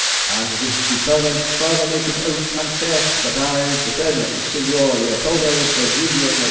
And this deponent further maketh oath and saith that I, the said Signor Leopoldo, tragedian, &c.